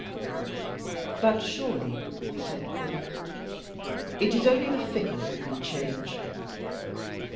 "But surely," said Paul, "it is only the fickle who can change?"